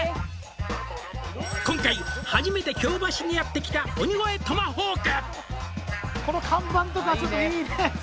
「今回初めて京橋にやってきた鬼越トマホーク」